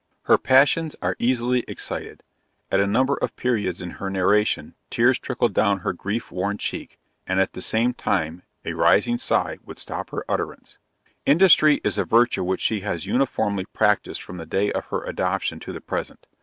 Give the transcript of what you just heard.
Her passions are easily excited. At a number of periods in her narration, tears trickled down her grief worn cheek, and at the same time, a rising sigh would stop her utterance. Industry is a virtue which she has uniformly practised from the day of her adoption to the present.